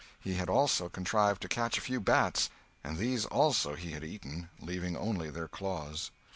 He had also contrived to catch a few bats, and these, also, he had eaten, leaving only their claws.